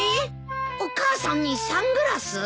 お母さんにサングラス。